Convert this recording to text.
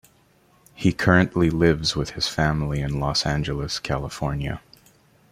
He currently lives with his family in Los Angeles, California.